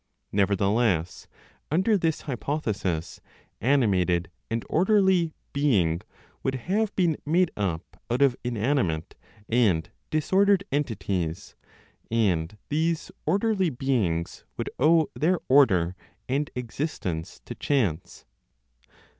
Nevertheless, under this hypothesis, animated and orderly "being" would have been made up out of inanimate and disordered entities; and these orderly "beings" would owe their order and existence to chance.